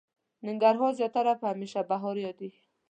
ننګرهار زياتره په هميشه بهار ياديږي.